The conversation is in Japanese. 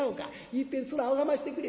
いっぺん面拝ましてくれ。